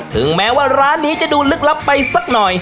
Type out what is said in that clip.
ถึงแม้ว่าร้านนี้จะดูลึกลับไปสักหน่อย